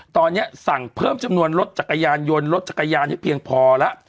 ตอนนี้สั่งเพิ่มจำนวนรถจักรยานยนต์รถจักรยานให้เพียงพอแล้ว